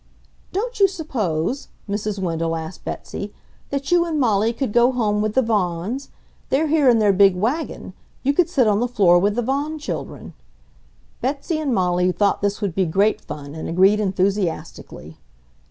"Don't you suppose," Mrs. Wendell asked Betsy, "that you and Molly could go home with the Vaughans? They're here in their big wagon. You could sit on the floor with the Vaughan children." Betsy and Molly thought this would be great fun, and agreed enthusiastically.